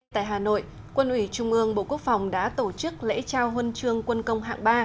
tại hà nội quân ủy trung ương bộ quốc phòng đã tổ chức lễ trao huân chương quân công hạng ba